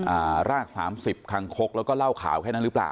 รากสามสิบคังคกแล้วก็เหล้าขาวแค่นั้นหรือเปล่า